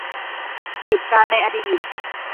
เหตุการณ์ในอดีต